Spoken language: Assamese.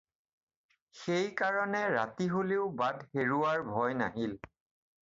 সেই কাৰণে ৰাতি হ'লেও বাট হেৰোৱাৰ ভয় নাহিল।